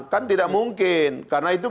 kan tidak mungkin karena itu